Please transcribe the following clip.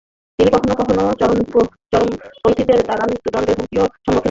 তিনি কখনও কখনও চরমপন্থীদের দ্বারা মৃত্যুদণ্ডের হুমকির সম্মূখীন হন।